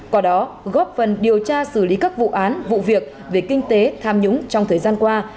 qua đó góp phần điều tra xử lý các vụ án vụ việc về kinh tế tham nhũng trong thời gian qua